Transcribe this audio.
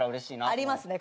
ありますね